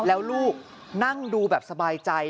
แล้วลูกนั่งดูแบบสบายใจ